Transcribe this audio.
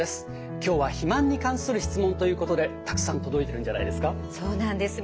今日は肥満に関する質問ということでたくさん届いてるんじゃないんですか？